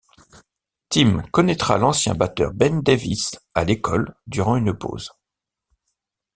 Tim connaitra l'ancien batteur Ben Davis à l'école durant une pause.